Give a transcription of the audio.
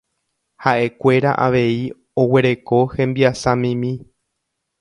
Ha'ekuéra avei oguereko hembiasamimi.